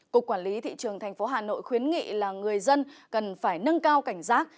cục quản lý thị trường tp hà nội khuyến nghị là người dân cần phải nâng cao cảnh giác